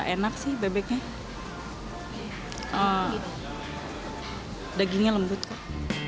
enak sih bebeknya dagingnya lembut kok